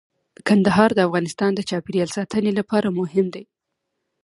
کندهار د افغانستان د چاپیریال ساتنې لپاره مهم دي.